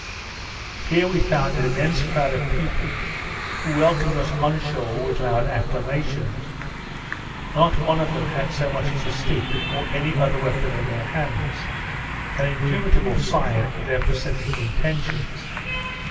Here we found an immense crowd of people, who welcomed us on shore with loud acclamations. Not one of them had so much as a stick, or any other weapon in their hands; an indubitable sign of their pacific intentions.